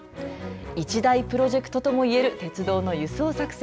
一大プロジェクトともいえる鉄道の輸送作戦